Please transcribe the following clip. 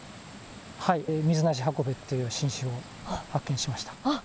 ミズナシハコベという新種を発見しました。